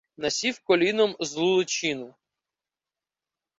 Насів коліном злу личину